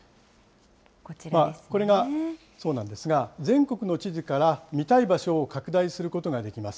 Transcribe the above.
これがそうなんですが、全国の地図から見たい場所を拡大することができます。